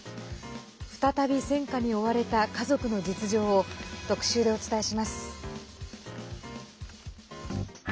再び戦火に追われた家族の実情を特集でお伝えします。